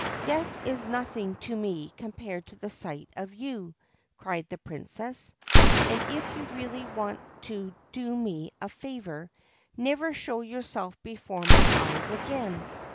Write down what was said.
' Death is nothing to me compared to the sight of you,' cried the Princess ;' and, if you really want to do me a favour, never show yourself before my eyes again.'